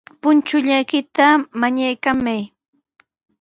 Punchullaykita mañaykallamay.